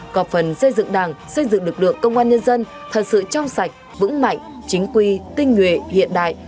có phần xây dựng đảng xây dựng lực lượng công an nhân dân thật sự trong sạch vững mạnh chính quy tinh nguyện hiện đại